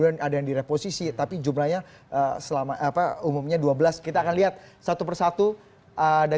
tapi risikonya satu kalau ada